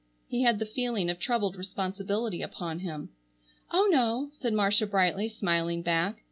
He had the feeling of troubled responsibility upon him. "Oh, no!" said Marcia brightly, smiling back.